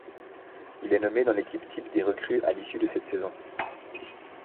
Il est nommé dans l'équipe type des recrues à l'issue de cette saison.